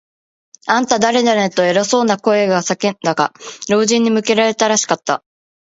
「あんた、だれだね？」と、偉そうな声が叫んだが、老人に向けられたらしかった。